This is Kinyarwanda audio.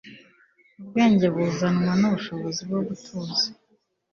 ubwenge buzanwa n'ubushobozi bwo gutuza